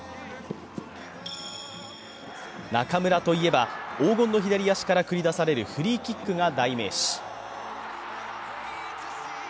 中村といえば、黄金の左足から繰り出されるフリーキックが代名詞。